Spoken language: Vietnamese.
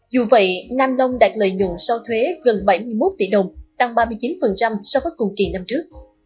dù vậy nam long đạt lợi nhuận sau thuế gần bảy mươi một tỷ đồng tăng ba mươi chín so với cùng kỳ năm trước